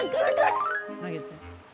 投げて。